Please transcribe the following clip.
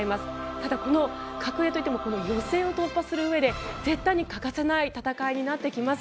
ただ、格上といっても予選を突破するうえで絶対に欠かせない戦いになってきます。